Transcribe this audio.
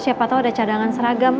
siapa tahu ada cadangan seragam